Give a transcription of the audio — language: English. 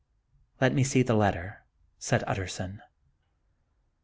" Let me see the letter," said Utterson.